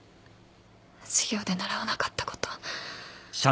授業で習わなかったこと。